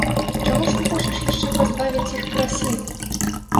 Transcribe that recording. Чаму ж ты хочаш яшчэ пазбавіць іх красы!